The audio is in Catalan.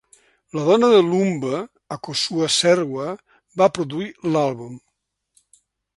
La dona de Lumba, Akosua Serwa, va produir l'àlbum.